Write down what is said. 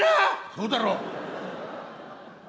「そうだろ！」。